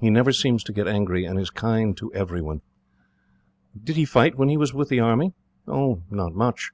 He never seems to get angry, and is kind to everyone." "Did he fight when he was with the army?" "Not much.